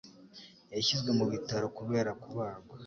Yashyizwe mu bitaro kubera kubagwa.